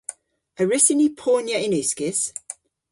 A wrussyn ni ponya yn uskis?